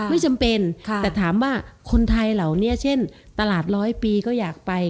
ไม่จำเป็นแต่ถามว่าคนไทยเหล่านี้เช่นตลาดร้อยปีก็อยากไป